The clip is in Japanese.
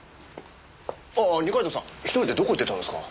ああ二階堂さん１人でどこ行ってたんですか？